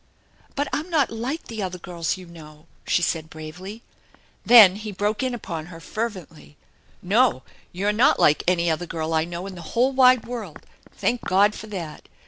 "But I'm not like the other girls you know/' she said bravely. Then he broke in upon her fervently. " No, you're not like any other girl I know in the whole wide world. Thank God for that!